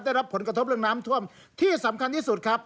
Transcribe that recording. ได้รับผลกระทบเรื่องน้ำท่วมที่สำคัญที่สุดครับ